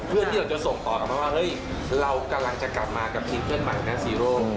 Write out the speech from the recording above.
เพื่อที่เราจะส่งต่อออกมาว่าเฮ้ยเรากำลังจะกลับมากับซิงเกิ้ลใหม่นะซีโร่